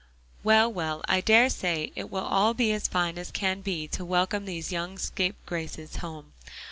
"Well, well, I dare say it will all be as fine as can be to welcome these young scapegraces home.